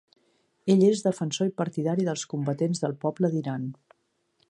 Ell és defensor i partidari dels Combatents del Poble d"Iran.